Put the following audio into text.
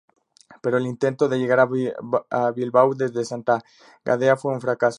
Pero el intento de llegar a Bilbao desde Santa Gadea fue un fracaso.